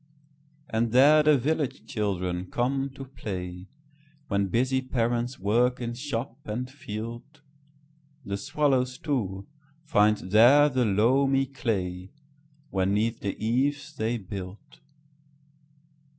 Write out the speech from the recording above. And there the village children come to play, When busy parents work in shop and field. The swallows, too, find there the loamy clayWhen 'neath the eaves they build.